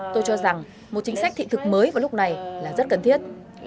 tôi cho rằng một chính sách thị thực mới vào lúc này là rất cần thiết